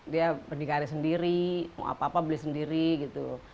dia berdikari sendiri mau apa apa beli sendiri gitu